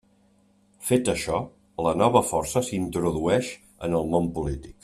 Fet això, la nova força s'introdueix en el món polític.